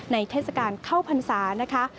เทศกาลเข้าพรรษานะคะ